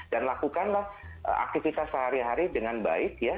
dan lakukanlah aktivitas sehari hari dengan baik ya